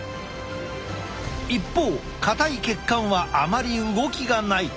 一方硬い血管はあまり動きがない。